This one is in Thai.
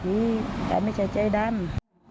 ผีแต่ไม่ใช่ใจดำ